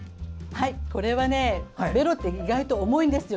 ベロって意外と重いんですよ。